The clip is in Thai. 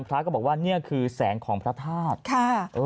พระศรักษณ์ก็บอกว่านี่คือแสงของพระธาตุ